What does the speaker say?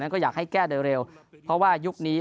ก็อยากให้แก้โดยเร็วเพราะว่ายุคนี้